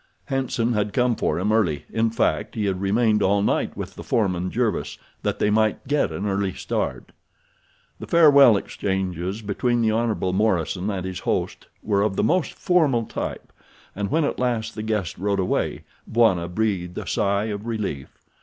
Hanson had come for him early—in fact he had remained all night with the foreman, Jervis, that they might get an early start. The farewell exchanges between the Hon. Morison and his host were of the most formal type, and when at last the guest rode away Bwana breathed a sigh of relief.